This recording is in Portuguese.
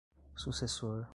sucessor